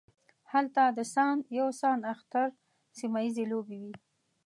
هلته د سان یو سان اختر سیمه ییزې لوبې وې.